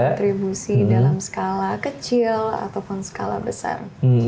kontribusi dalam skala kecil ataupun skala besar